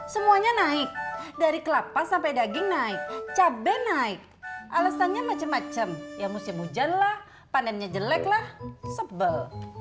semuanya naik dari kelapa sampai daging naik cabai naik alasannya macem macem ya musim hujan lah panennya jelek lah sebel